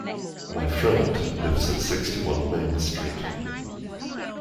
My friend lives at sixty-one Main Street